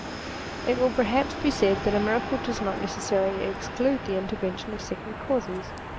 It will perhaps be said that a miracle does not necessarily exclude the intervention of second causes.